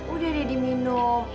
udah deh diminum